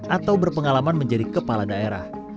atau berpengalaman menjadi kepala daerah